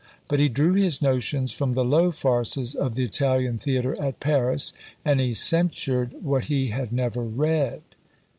But he drew his notions from the low farces of the Italian theatre at Paris, and he censured what he had never read.